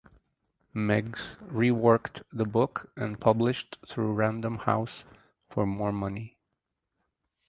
Meggs reworked the book and published through Random House for more money.